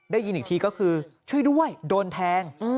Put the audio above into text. ได้ยินอีกทีก็คือช่วยด้วยโดนแทง